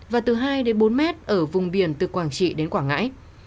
và từ hai đến bốn mét ở vùng biển từ quảng trị đến quảng ngãi